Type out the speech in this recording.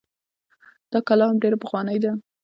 دا کلا هم ډيره پخوانۍ ده